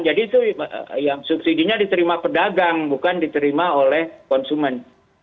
jadi itu yang subsidi nya diterima pedagang bukan diterima oleh konsumen